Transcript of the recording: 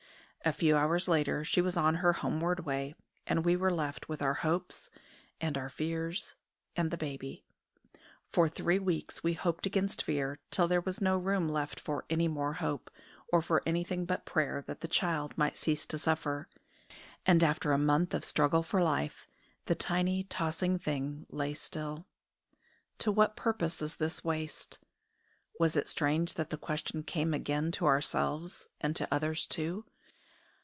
A few hours later she was on her homeward way, and we were left with our hopes and our fears, and the baby. For three weeks we hoped against fear, till there was no room left for any more hope, or for anything but prayer that the child might cease to suffer. And after a month of struggle for life, the tiny, tossing thing lay still. "To what purpose is this waste?" Was it strange that the question came again to ourselves, and to others too?